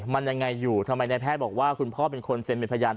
มันยังไงอยู่ทำไมในแพทย์บอกว่าคุณพ่อเป็นคนเซ็นเป็นพยาน